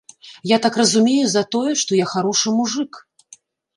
Я так разумею, за тое, што я харошы мужык.